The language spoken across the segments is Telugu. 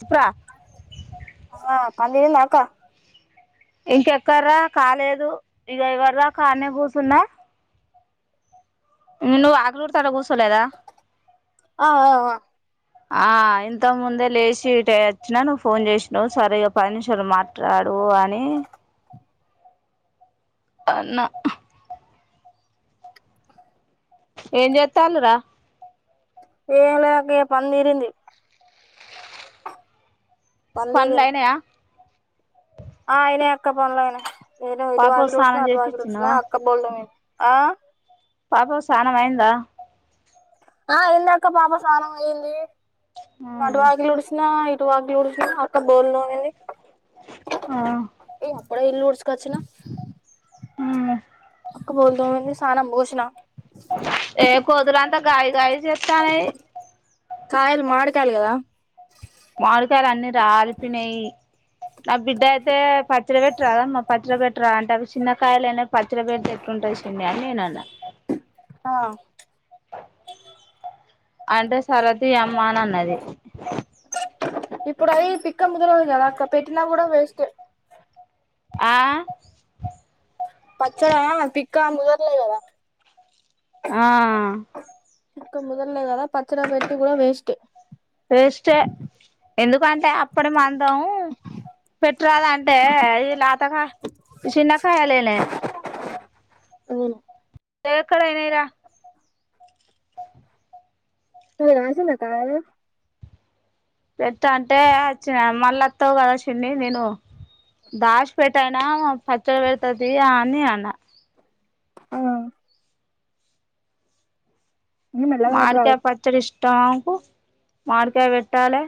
చెప్పురా ఆ పందన్నాకా ఇంకెక్కర్రా కాలేదు ఇ ఎవర్రా కానే కూర్చన్నా నును ఆగలూరు తడ కూఊసలేదా ఆ ఆ ఆ ఇంత ముందే లేచి ఇ వచ్చినా నువ్వు ఫోన్ చేసిన్ సరి్గా పది నిమిషలు మాట్లాడు అని అన్నా ఏం చెతలరా ఏలాక పందిరింది పని తీరింది పన్లైనయా ఆ అయిన ఎక్క పనులో అయిన ఏేను ఇది పాప వాగలు వషష్ స్నానం అటు వాగరుష చేపిచ్చినవా అక్క బోల్లేే ఆ పాప సాణం వయందా ఆ అయింది అక్క పాప స్నం అయ్యంది నడవాలి ఉడ్సిన త వాగలి ఉ అక్క బోల్ని ఆ ఏ అడే ఇల్లు తీసుకచ్చిన ఉ బోల్దు మ సా బోషనా ఏ కోదల అంత కాయ కాయ చెతయి కాయలు మ కాయాలి కదా మామిడికాయలు అన్నిీ రాలిపోినయి నా బిడ్డ అయితే పచ్చడి పెెట్ రాదా మా పచ్చడి పెెట్ రా అంటే అవి చిన్నకాయలునా పచ్చల పెట్టి ఎట్టుంటాయి చె అన్న నాన్న ఆ అంటే సరతి అయమ్మాని అన్నది ఇప్పుడు అది పిక్క ముదలదు కదా అక్క పెట్టినా కూడా వేస్ట్ ఆ పచ్చడా పిక్కా ముదర్లే గదా ఆ ఇక్క ముదల్గాదా పచ్చర పెట్టి కూడాడా వస్ట్ వేస్ట్ ఎందుకంటే అప్పుడ మందం పెట్టరాాల అంటే ఈ తకాయ చిన్నకాయలునే అవు దయక్కడయినారా మీ రాస కా ప్ర అంటే వచ్చిన మళ్ళా వస్తావు కదా చిడి నేను దాచి పెట్ట అయినా పచ్చడి పెడతుది అని అన్నా ఆ నేను మెల్లగా పెట్టాలి మాడికాయ్ పచ్చడి ఇష్ టాకు మాడికాయ్ వెట్టాలే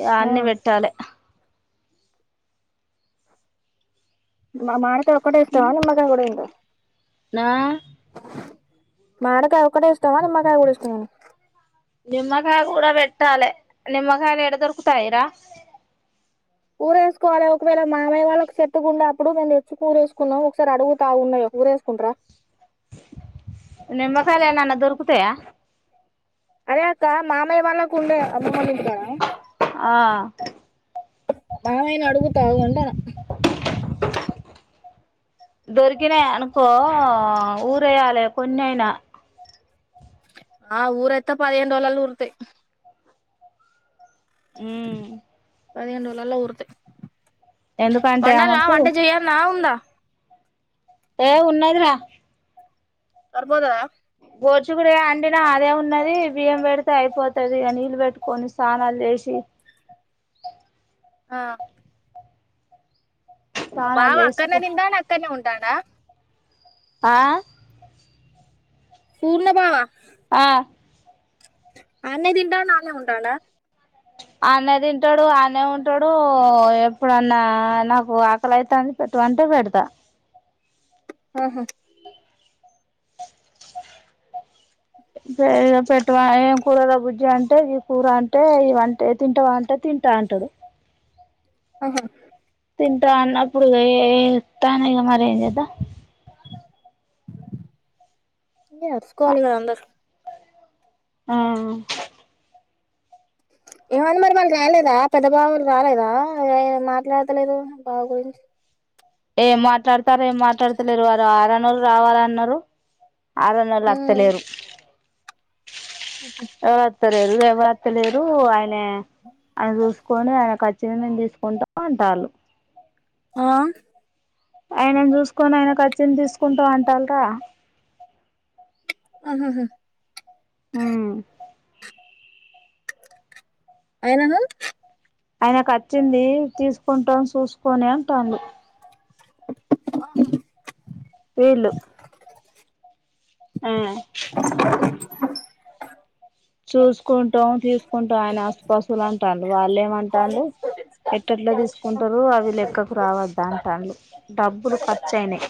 ఇగ ఆ, అన్ని వెట్టాలే మ మాడిక్ తే ఒక్కటే ఇష్టమా నిమ్మకాయ్ గుడా తింటావా నా మాడకాయ ఒక్కటే ఇష్టమా నిమ్మకాయ గుడా ఇష్టమా నిమ్మకాయ గుడా వెట్టాలె నిమ్మకాయలు ఎడ దొరుకుతాయిరా ఊరేసుకోవాలి ఒకవేళ మామయ్య వాళ్ళకి చెట్టుకు ఉండే అప్పుడు మేము తెచ్చుకు ఊరేసుకున్నాం ఒకసారి అడుగు తాగు ఉన్నాయ ఊరేకుంటార నిమ్మకాయలు ఏనన్న దొరుకుతాయా అదే అక్క మామయ్య వాళ్ళకు ఉండే అమ్మమ్మ లోల ఇంటి కాడ ఆ మామయ్య ను అడుగు తాగు అంటన దొరికినాయి అనుకో ఊర వేయ్యాలి కొన్ని అయినా ఆ ఊరయిత్త పదిహేను రోజులలో ఊరుతయి పదిహేను రోజులలో ఉరుతాయి ఎందుకంటే వండాల ఆమెకు వంట చేయాలన్నా ఉందా ఏ ఉన్నది రా సరిపోతదా గోడ్చిక్కుడుకాయ అండినా అదే ఉన్నది బియ్యం పెడితే అయిపోతది ఇగ నీళ్ళు పెట్టుకొని స్నానాలు చేసి ఆ స్నానాలు బావ చేసుకో అక్కనే తింటాడు అక్కనే ఉన్ తాండ ఆ పూర్ణ బావ ఆ అనే తింటాడు అనే ఉంటాడా? అనే తింటాడు ఆనే ఉంటాడు, ఎప్పుడన్నా నాకు ఆకలి అయితుంది పెట్టమంటే పెడతా. ఆహా దే పెట్టు మని ఏం కూరరా బుజ్జి అంటే, ఈ కూర అంటే ఇ అంటే తింటవా అంటే తింటా అంటాడు. ఆహా తింటా అన్నప్పుడు గా ఏ తానేగా మరి ఏం చేద్దాం నేను అరుసుకోవాలి గదా అందరు ఆ ఏమంది మరి మన రాలేదా పెద్ద బావులు రాలేదా ఏ మాట్లాడతలేదు బావ గురించి ఏం మాట్లాడతారు ఏం మాట్లాడతలేరు వారు ఆరం రోలు రావాల అన్నారు ఆరు నెల అత్తలేరు ఉహ్ ఎవరు అత్తలేరు ఎవరుత్తలేరు ఆయన ఆయన చూసుకొని ఆయన కచ్చింది నేను తీసుకుంటా అంటళ్ళు ఆ ఆయనాని చూసుకొని ఆయన అచింది తీసుకుంటా అంటల్క ఆహాహ ఉమ్ ఆయనకు ఆయనకు వచ్చింది తీసుకుంటాం చూసుకొని అంటాడు వీళ్ళు ఉహ్ చూసుకున్ లోన్ తీసుకుంట ఆయన ఆస్తి పాస్తులు అంటాడు. వాళ్ళు ఏం అంటాడు, ఏం ఎట్టట్లా తీసుకుంటారు అవి లెక్కకు రావద్ద్ద అంటాడు డబ్బులు ఖర్చు అయినయ్.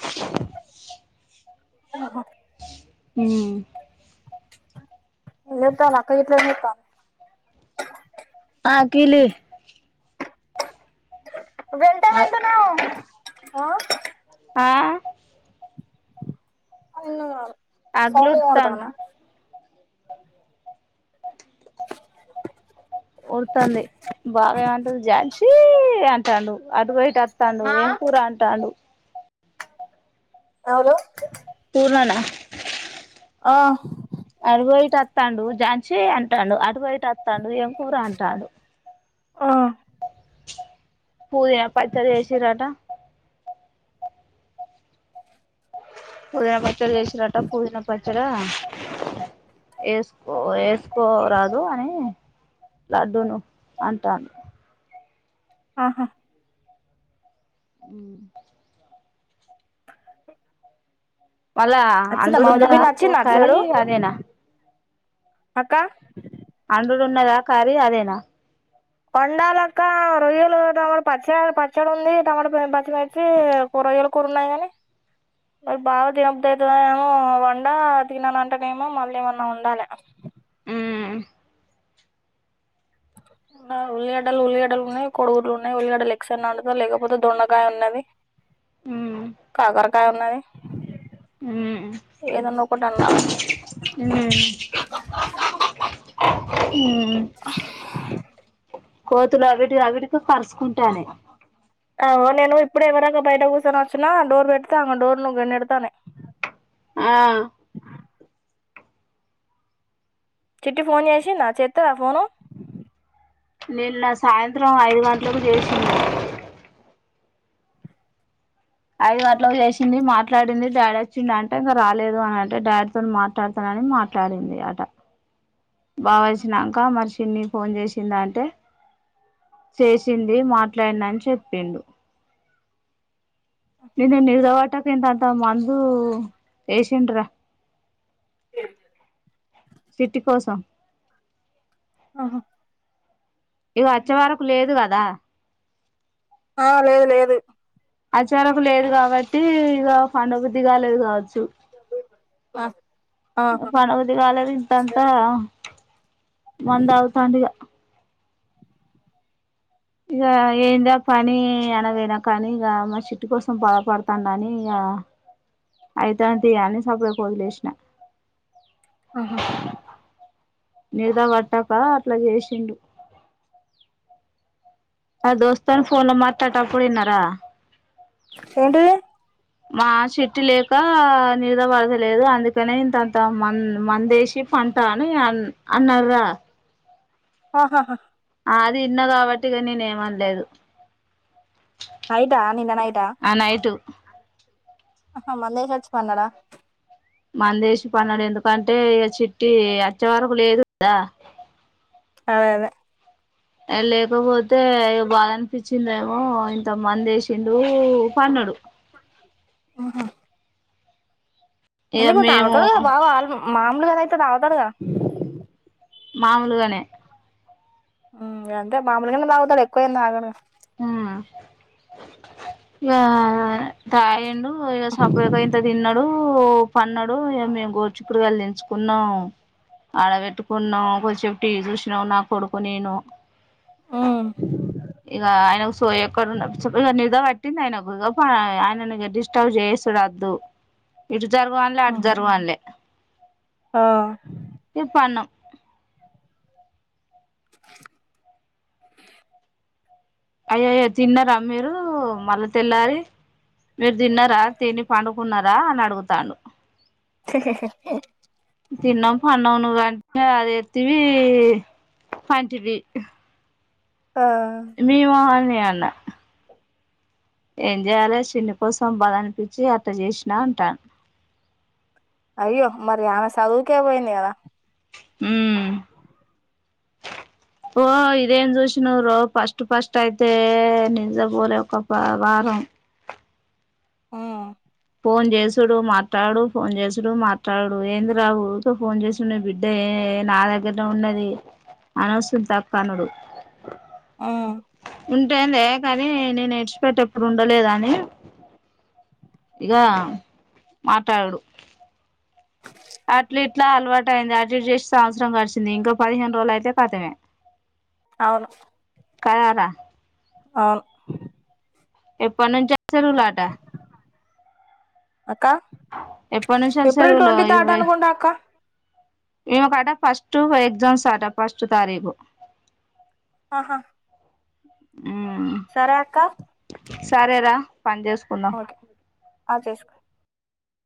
ఆహ ఉమ్ నితోన్ అక్క గిట్ల ఏం చెప్పాలీ ఆ కిలి ఆ ఆ ఆ ఉమ్ అకిలి ఉద్తంధ్ ఓర్ తనది బావ ఏం అంటాడు జాన్సీ అంటాండు అటుపోయ్ ఇట్ తాండు ఏం కూరా అంటాండు లేదు వన ఆ అటుపోయ్ ఇటు అతడు జాన్సీ అంటాడు. అటుపోయ్ ఇటు అతడు ఏం కూర అంటాడు. ఆ పూదిన పచ్చడి చేసిర్రట పుదీనా పచ్చడి వేసిరాట పుదీన పచ్చడ వేసుకో వేసుకోరాదు అని లడ్డూను అంటా ఆహా అ వళ్ళా వచ్చిందా మా అల్లుడ్ ఉన్నాడ, చెప్పింది ఒ వచ్చిందా అటు కారి సైడు అదేన అక్క అండుడు ఉన్నదా కారీ అదేనా వండాలక్క రొయ్యలు తమట పచ్చ పచ్చడ ఉంది టమాటా [unintelligible] కూరగాయల కరలే గని, నా బావకి [unintelligible] అయితది అని వంద తినను అంటే నేమో మళ్ళీ ఏం అందాలే ఉల్లిగడలు ఉల్లిగడ్డలు ఉన్నాయ్ ఉల్లిగడ్డలు ఉల్లిగడ్డలు ఉన్నాయ్. కోడిగుడ్డు ఉన్నాయ్. ఉల్లిగడ్డలు ఎగ్స్ అన్న అందుతా, లేకపోతే దొండకాయ ఉన్నది కాకరకాయ ఉన్నది ఏదన్నా ఒకటీ అండాలే. ఉమ్ ఉమ్ కోతులు అవిటి అవిటికి కార్సుస్కుంటానాయ్ ఆగో, నేను ఇప్పుడే ఎవరదకా బయట కూర్చొని వచ్చిన డోర్ పెడతా డోర్ ను నేడతనయ్ ఆ చిట్టి ఫోన్ చేసిందా చెత్తద ఫోను నిన్న సాయంత్రం ఐదు గంటలకు చేసింది ఐదు గంటలకి చేసింది మాట్లాడింది డాడీ వచ్చిండ అంటే ఇంకా రాలేదు అంటే డాడీతో మాట్లాడుతానని మాట్లాడింది అట బావ్ వచ్చినంక మార్చ్ చిన్ని ఫోన్ చేసింద అంటే చేసింది మాట్లాడిన అని చెప్పిండు నిన్న నిర్దవాటక ఇంత అంత మందు ఎషిండ్ర చిట్టి కోసం ఆహా ఇది వచ్చవరకు లేదు కద ఆ లేదు లేదు అచారకు లేదు కాబట్టి ఇగ పండు బుద్ధిగాలేేదు కావచ్చ చు పాండ్ బుద్ధి కాలేదు ఇంతంతా మంద తగుతండ్ ఇగ ఇక ఏంద పని ఎనగైనా కానీ ఇక మా చిట్టి కోసం బధపడతా కాని ఇక అయితను తీయాలని సపడ వదిలేసినా ఆహా నిదా పట్టక అట్ల చేసిండు ఆ దోస్తాను ఫోన్ లో మాట్లాడే టప్పుడ ఇన్నర ఏంటిది మా చెట్టు లేక నిద పడదలేదు అందుకనే ఇంతంత మ మందేసి పంట అని అ అన్నర్ర ఆహాహా అది ఇన్న కాబట్టిగా నేన్ ఏమనలేదు ఆయిదా నిన్న నైటా నైటు మంద ఎస్కొచ్చి పన్నడ మంద ఏసీ పన్నడు ఎందుకంటే ఇక చిట్టి అచ్చేవరకు లేదు కదా అదే అదే ఆ లేకపోతే తే బాద అనిపించిందేమో ఓ ఇంత మందేసిండు పన్నడు ఆహా ఇగ ఎందుకు మేము తాగుతడు కద బావ మా లుగాయితేవతాగు తాడు గ మాములుగనే హమ్ గంతే మామలగానే తాగుతడు గా ఎక్కువ ఏం తాగడు గ హమ్ ఆ తగిండు ఇంక [unintelligible] ఇంత దిన్నడు ఓ పన్నాడు మేము గోడుచీకుడుకాయలు తెంచుకునం ఆడబెట్టుకున్నాం కొదిసేపు టీవి చూసినాం నా కొడుకు నేను అ ఇగ ఆయనకు సోయ ఎక్కడ ఉన్న నిదపేట్ పట్టింది ఆయన ఒక గొప్ప ఆయన డిస్టర్బ్ చేసుడు వద్దు ఇటు జరగుఅనలే అటు ఉహు జరగు అనలే ఆ పన్నాం అయ్యో అయ్యో తిన్నారా మీరు మళ్ళీ తెల్లారి మీరు తిన్నారా తిని పండుకున్నారా అని అడుగుతాండు వెంటనే అది ఎతివి [unintelligible] ఆ మేము హనే ఎ అన్న ఏం చేయాలే చిన్ని కోసం బాధ అనిపించి అట్ట చేసినా అంటా అయ్యో మరి ఆమె సదువు కె పోయింది కాదా హ్మ్ పో ఇదేం చూసినవు రో ఫస్ట్ ఫస్ట్ అయితే నిద్రపోలే ఒక వారం ఆ ఫోన్ చేసుడు మాట్లాడుడు ఫోన్ చేసుడు మాట్లాడుడు ఏంది రా ఉరికే ఫోన్ చేసి ని బిడ్డ ఏ నా దగ్గరనే ఉన్నది అని వస్తుంది తప్పు అనడు ఆ ఉటే లే కానీ నేను నేర్చిపెట్ ఎప్పుడు ఉండలేదు అని ఇగ మాట్లాడుడు అట్ల ఇట్ల అలవాట్ అయింది అద్జుస్త్ చేసి సంవత్సరం గడిచింది ఇంకా పదిహేను రోజులు అయితే కతమే అవును కలరా అవును ఎప్పనుంచి చెరువులటా అక్క ఎప్పటి నుంచి ఏప్రిల్ సెలవులు ట్వంటీ తర్డ్ అనుకుంట అక్క ఇమకాట ఫస్ట్టు ఎగజామ్స్ట ఫస్ట్ తారీఖు ఆహా ఊమ్ సరె రా ఓకె ఆ చేసుకోండి